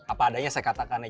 apa adanya saya katakannya